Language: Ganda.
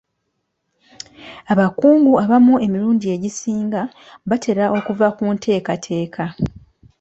Abakungu abamu emirundi egisinga batera okuva ku nteekateeka.